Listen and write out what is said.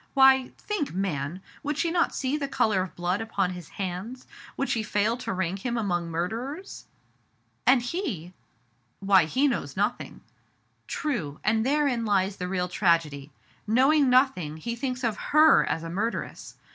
Why, think, man, would she not see the color of blood upon his hands, would she fail to rank him among murderers ? And he "" Why, he knows nothing." " True ; and therein lies the real tragedy. Knowing nothing, he thinks of her as a murderess.